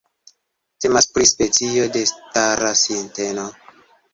Temas pri specio de stara sinteno.